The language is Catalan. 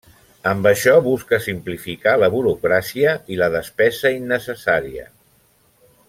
Amb això busca simplificar la burocràcia i la despesa innecessària.